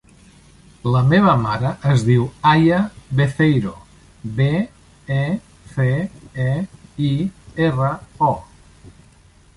La meva mare es diu Aya Beceiro: be, e, ce, e, i, erra, o.